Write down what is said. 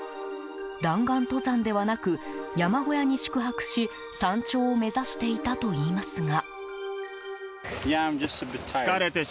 弾丸登山ではなく山小屋に宿泊し山頂を目指していたといいますが。